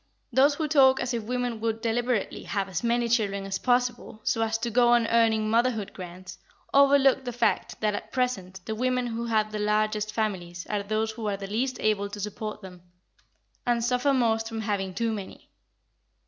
Those who talk as if women would deliberately have as many children as possible, so as to go on earning motherhood grants, overlook the fact that at present the women who have the largest families are those who are the least able to support them, and suffer most from having too many.